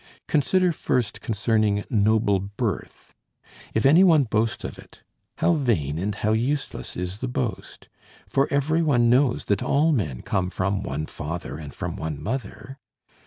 Consider first concerning noble birth. If any one boast of it, how vain and how useless is the boast; for every one knows that all men come from one father and from one mother.